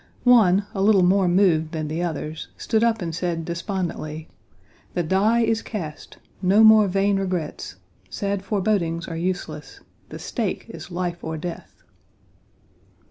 One, a little more moved than the others, stood up and said despondently: "The die is cast; no more vain regrets; sad forebodings are useless; the stake is life or death."